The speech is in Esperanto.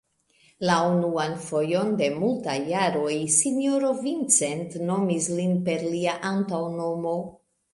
La unuan fojon de multaj jaroj sinjoro Vincent nomis lin per lia antaŭnomo.